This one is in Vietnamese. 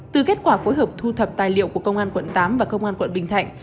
từ kết quả phối hợp thu thập tài liệu của công an tp hcm và công an tp binh thạnh